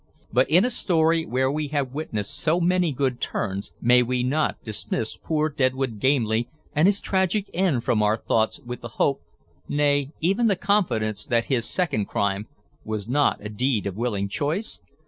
But in a story where we have witnessed so many good turns may we not dismiss poor Deadwood Gamely and his tragic end from our thoughts with the hope, nay, even the confidence, that his second crime was not a deed of willing choice?